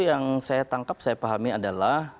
yang saya tangkap saya pahami adalah